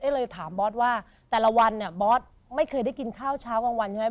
ก็เลยถามบอสว่าแต่ละวันเนี่ยบอสไม่เคยได้กินข้าวเช้ากลางวันใช่ไหม